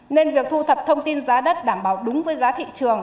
nên việc thu thập thông tin giá đất đảm bảo đúng với giá thị trường